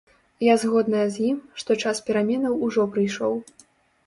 Я згодная з ім, што час пераменаў ужо прыйшоў.